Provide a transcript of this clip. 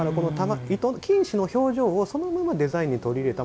金糸の表情をそのままデザインに取り入れた